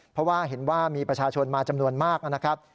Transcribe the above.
เพราะว่าเห็นว่ามีประชาชนมาจำนวนมากนะครับ